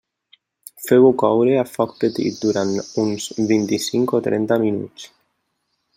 Feu-ho coure a foc petit, durant uns vint-i-cinc o trenta minuts.